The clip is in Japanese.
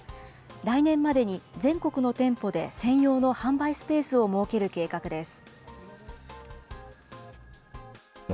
来年までに全国の店舗で専用の販売スペースを設ける計画です。